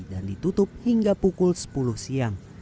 dan ditutup hingga pukul sepuluh siang